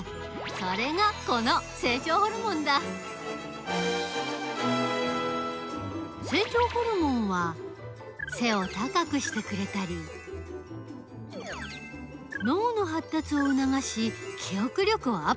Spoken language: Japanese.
それがこの成長ホルモンだ成長ホルモンは背を高くしてくれたり脳のはったつをうながし記憶力をアップさせたりする。